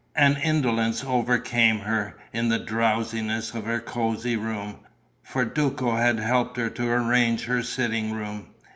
An indolence overcame her, in the drowsiness of her cosy room. For Duco had helped her to arrange her sitting room.